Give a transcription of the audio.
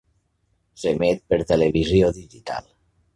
S'emet per televisió digital.